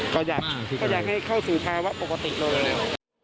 ก็อยากให้เข้าสู่ภาวะปกติลงแล้ว